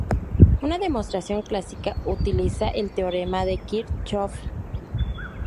Una demostración clásica utiliza el teorema de Kirchhoff.